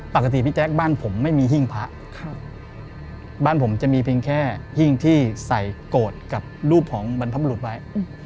พี่แจ๊คบ้านผมไม่มีหิ้งพระบ้านผมจะมีเพียงแค่หิ้งที่ใส่โกรธกับรูปของบรรพบรุษไว้